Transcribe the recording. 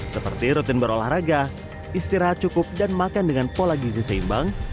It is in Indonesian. seperti rutin berolahraga istirahat cukup dan makan dengan pola gizi seimbang